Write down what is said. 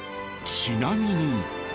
ちなみに。